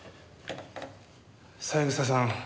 三枝さん